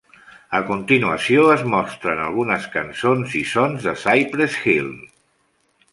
A continuació es mostren algunes cançons i sons de "Cypress Hill".